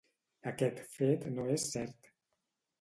Aquest fet no és cert.